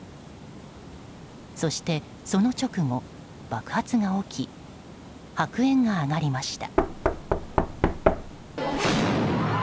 そしてその直後爆発が起き、白煙が上がりました。